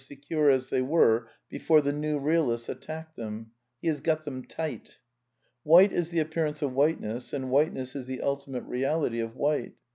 ^ secure as they were before the new realists attacked them ;he has got them tight. White is the appearance of white ness, and whiteness is the ultimate reality of white.